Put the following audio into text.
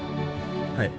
はい。